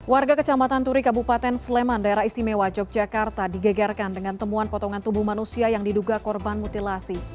warga kecamatan turi kabupaten sleman daerah istimewa yogyakarta digegerkan dengan temuan potongan tubuh manusia yang diduga korban mutilasi